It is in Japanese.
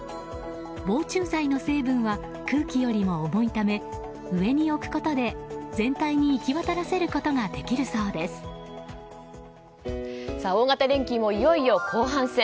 防虫剤の成分は空気よりも重いため上に置くことで全体に行き渡らせることが大型連休も、いよいよ後半戦。